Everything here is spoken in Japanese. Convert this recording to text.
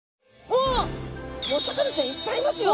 お魚ちゃんいっぱいいますよ！